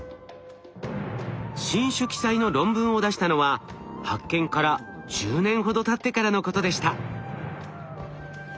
新種記載の論文を出したのは発見から１０年ほどたってからのことでした。